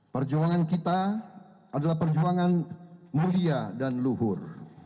perjuangan kita adalah perjuangan mulia dan luhur